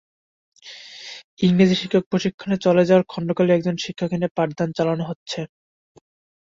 ইংরেজি শিক্ষক প্রশিক্ষণে চলে যাওয়ায় খণ্ডকালীন একজন শিক্ষক এনে পাঠদান চালানো হচ্ছে।